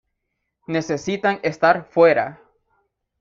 Necesitan estar fuera.